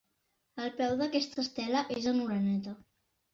El peu d'aquesta estela és en oreneta.